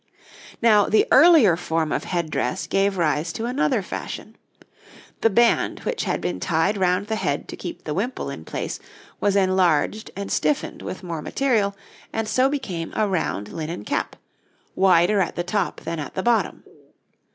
Now, the earlier form of head dress gave rise to another fashion. The band which had been tied round the head to keep the wimple in place was enlarged and stiffened with more material, and so became a round linen cap, wider at the top than at the bottom.